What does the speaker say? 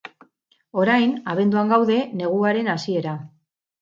Orain, abenduan gaude, neguaren hasiera.